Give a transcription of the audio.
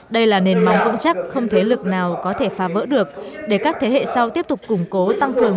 đây là nền mong vững chắc không thế lực nào có thể phá vỡ được để các thế hệ sau tiếp tục củng cố tăng cường